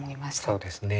そうですね。